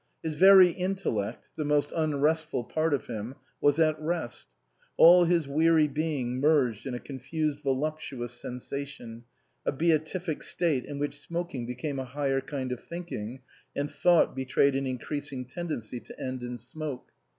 His very intellect (the most unrestful part of him) was at rest; all his weary being merged in a confused voluptuous sensation, a beatific state in which smoking became a higher kind of thinking, and thought betrayed an increasing tendency to end in smoke.